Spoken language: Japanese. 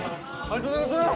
ありがとうございます！